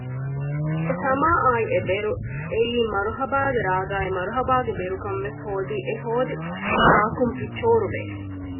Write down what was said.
އެސަމާއާއި އެބެރު އެއީ މަރުހަބާގެ ރާގާއި މަރުހަބާގެ ބެރުކަން ވެސް ހޯދީ އެހޯދި ތާކުން ޕިޗޯރުބޭ